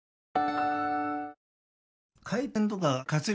回転とか活力